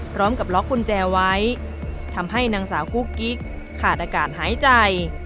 พร้อมกับล็อกกุญแจไว้ทำให้นางสาวกุ๊กกิ๊กขาดอากาศหายใจ